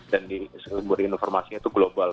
di sumber informasinya itu global